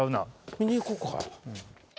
見に行こうか。